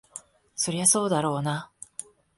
そりゃそうだろうな。